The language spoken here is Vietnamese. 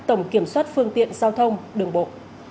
tổng kiểm soát phương tiện giao thông đường bộ